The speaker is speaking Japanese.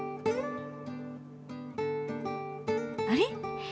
あれ？